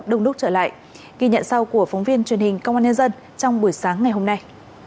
và trong lúc trở lại ghi nhận sau của phóng viên truyền hình công an nhân dân trong buổi sáng ngày hôm nay